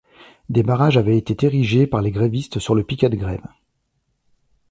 Des barrages avaient été érigés par les grévistes sur le piquet de grève.